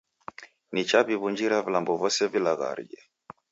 Nichaw'iw'unjira vilambo vose vilaghariye